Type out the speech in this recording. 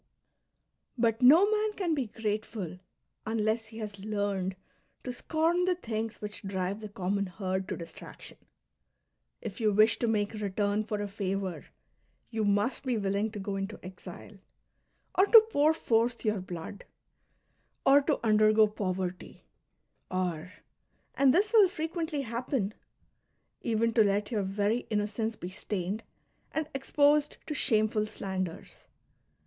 But no man can be grateful unless he has learned to scorn the things which drive the common herd to distraction ; if you wish to make return for a favour, you must be willing to go into exile, or to jiour forth your blood, or to undergo poverty, or, — and this will frequently happen, — even to let your very innocence be stained and exposed to shameful slanders.